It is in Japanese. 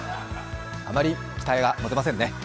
あまり期待が持てませんね。